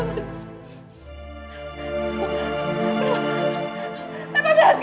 aku seperti kehilangan arah